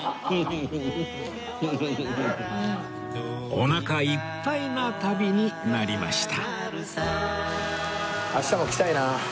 おなかいっぱいな旅になりました